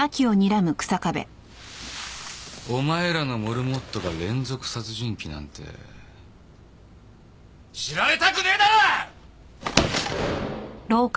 お前らのモルモットが連続殺人鬼なんて知られたくねえだろ！